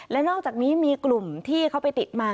และนอกจากนี้มีกลุ่มที่เขาไปติดมา